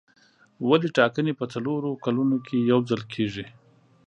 ولې ټاکنې په څلورو کلونو کې یو ځل کېږي.